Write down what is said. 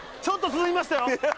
ちょっと進みましたよ。